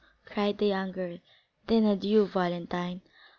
cried the young girl. "Then adieu, Valentine!"